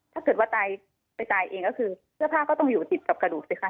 ถ้าเกิดว่าตายไปตายเองก็คือเสื้อผ้าก็ต้องอยู่ติดกับกระดูกสิคะ